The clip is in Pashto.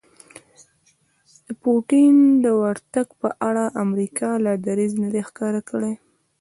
د پوتین د ورتګ په اړه امریکا لا دریځ نه دی ښکاره کړی